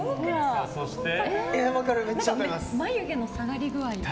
眉毛の下がり具合。